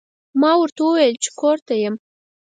ما ورته وویل چې کور ته یم.